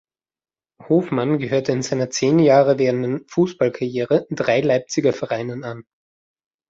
Hofmann gehörte in seiner zehn Jahre währenden Fußballerkarriere drei Leipziger Vereinen an.